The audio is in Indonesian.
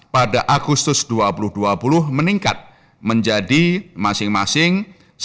pada agustus dua ribu dua puluh meningkat menjadi masing masing